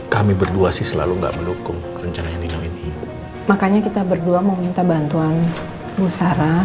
kami berdua sih selalu enggak mendukung rencana ini makanya kita berdua mau minta bantuan bu sarah